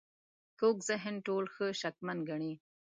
کوږ ذهن ټول ښه شکمن ګڼي